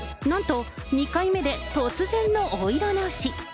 なんと、２回目で突然のお色直し。